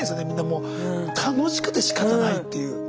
みんなもう楽しくてしかたないっていう。